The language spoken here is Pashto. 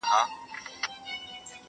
پردېسي خواره خواري ده وچوي د زړګي وینه!.